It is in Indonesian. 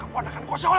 aku aja yang dengar